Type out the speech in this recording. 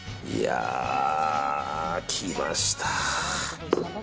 きました。